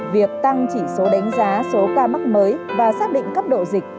việc tăng chỉ số đánh giá số ca mắc mới và xác định cấp độ dịch